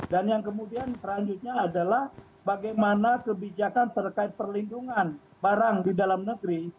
dan yang kemudian selanjutnya adalah bagaimana kebijakan terkait perlindungan barang di dalam negeri